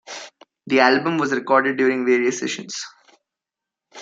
The album was recorded during various sessions.